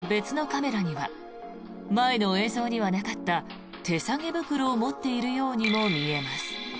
更に漁港から１００ｍ離れた別のカメラには前の映像にはなかった手提げ袋を持っているようにも見えます。